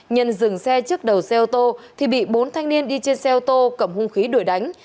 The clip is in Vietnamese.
nhân dừng xe trước đầu xe ô tô thì bị bốn thanh niên đi trên xe ô tô cầm hung khí đuổi đánh